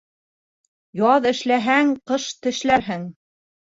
Яҙ эшләһәң, ҡыш тешләрһең.